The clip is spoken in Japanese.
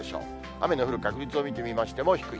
雨の降る確率を見てみましても、低い。